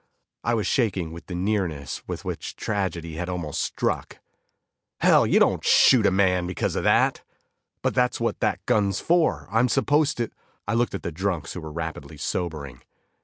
I was shaking with the nearness with which tragedy had almost struck. "Hell, you don't shoot a man because of that!" "But that's what that gun's for. I'm supposed " I looked at the drunks, who were rapidly sobering.